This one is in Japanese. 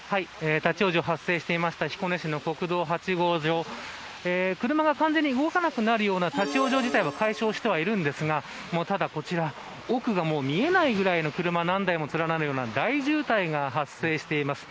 立ち往生が発生していた彦根市の国道８号上車が完全に動かなくなるような立ち往生自体は解消しているんですがただ、こちら奥が見えないぐらいの車何台も連なるような大渋滞が発生しています。